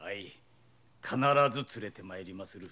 必ず連れて参ります。